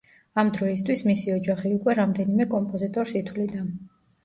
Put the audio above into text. ამ დროისთვის მისი ოჯახი უკვე რამდენიმე კომპოზიტორს ითვლიდა.